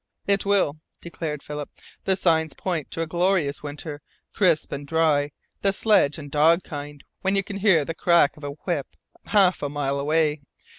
"It will," declared Philip. "The signs point to a glorious winter, crisp and dry the sledge and dog kind, when you can hear the crack of a whiplash half a mile away."